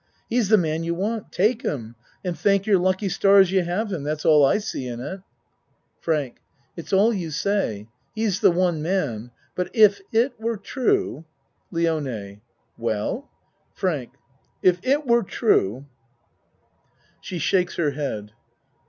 He's the man you want take him and thank your lucky stars you have him. That's all I see in it. ACT III 95 FRANK It's all you say. He's the one man but if it were true LIONE Well? FRANK If it were true (She shakes her head.)